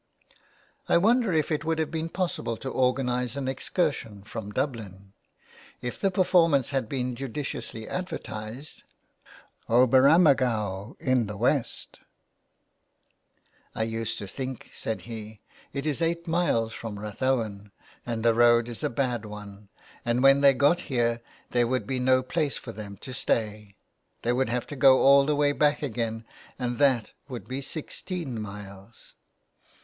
" I wonder if it would have been possible to organise an excursion from Dublin. If the performance had been judiciously advertised —' Oberammergau in the West"' " I used to think/' said he, " it is eight miles from Rathowen, and the road is a bad one, and when they got here there would be no place for them to stay ; they would have to go all the way back again, and that would be sixteen miles.'